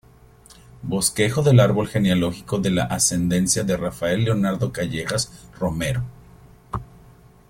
Bosquejo del Árbol genealógico de la ascendencia de Rafael Leonardo Callejas Romero.